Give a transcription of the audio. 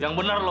yang benar lo